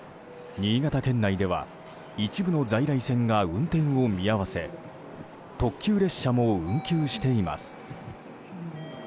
新潟県内では一部の在来線が運転を見合わせ特急列車も運休しています。